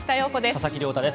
佐々木亮太です。